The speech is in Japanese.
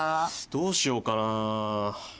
どうしようかな。